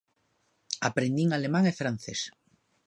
Aprendín alemán e francés.